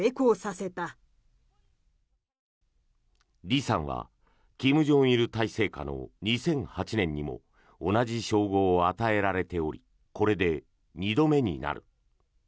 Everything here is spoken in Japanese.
リさんは金正日体制下の２００８年にも同じ称号を与えられておりこれで２度目になる。